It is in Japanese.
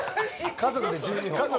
「家族」で１２本。